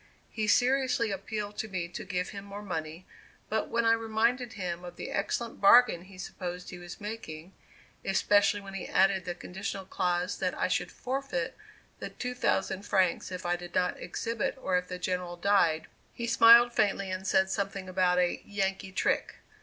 He seriously appealed to me to give him more money; but when I reminded him of the excellent bargain he supposed he was making, especially when he added the conditional clause that I should forfeit the 2,000 francs if I did not exhibit or if the General died, he smiled faintly and said something about a "Yankee trick."